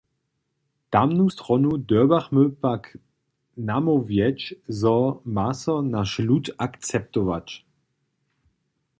Tamnu stronu dyrbjachmy pak namołwjeć, zo ma so naš lud akceptować.